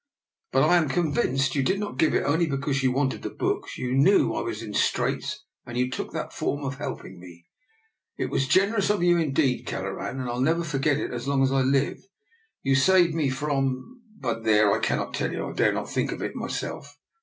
" But I am convinced you did not give it only because you wanted the books. You knew I was in straits and you took that form of helping me. It was generous of you in deed, Kelleran, and I'll never forget it as long as I live. You saved me from — ^but there, I cannot tell you. I dare not think of it myself.